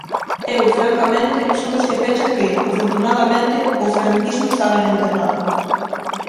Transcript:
Eu, francamente, son dos que pensa que, afortunadamente, o franquismo está ben enterrado.